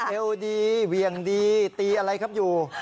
เอวดีเหวี่ยงดีตีอะไรครับอยู่